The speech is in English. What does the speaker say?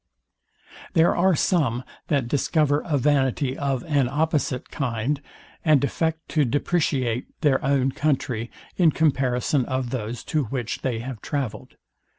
There are some, that discover a vanity of an opposite kind, and affect to depreciate their own country, in comparison of those, to which they have travelled.